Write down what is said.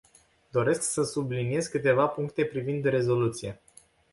Doresc să subliniez câteva puncte privind rezoluția.